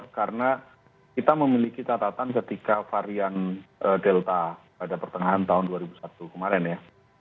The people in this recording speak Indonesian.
karena kita memiliki catatan ketika varian delta pada pertengahan tahun dua ribu satu kemarin ya